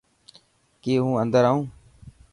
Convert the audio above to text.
ڪي هون اندر آئون.